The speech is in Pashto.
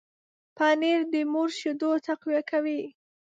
پنېر د مور شیدو تقویه کوي.